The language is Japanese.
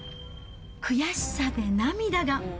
悔しさで涙が。